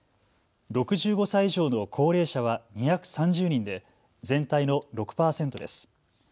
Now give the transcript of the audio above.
６５歳以上の高齢者は２３０人で全体の６％です。